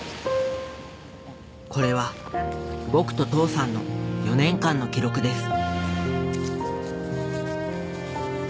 これは僕と父さんの４年間の記録です